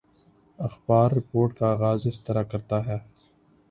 اخبار رپورٹ کا آغاز اس طرح کرتا ہے